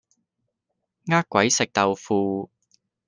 呃鬼食豆腐